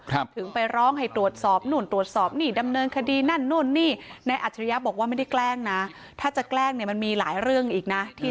ถึงไปร้องให้ตรวจสอบนู่นตรวจสอบนี่ดำเนินคดีนั่นนู่นนี่